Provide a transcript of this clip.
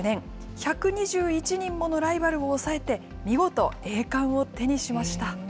１２１人ものライバルを抑えて、見事、栄冠を手にしました。